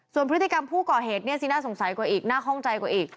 ส่วนพฤติกรรมผู้ก่อเหตุเนี่ยสิน่าสงสัยกว่าอีกน่าคล่องใจกว่าอีก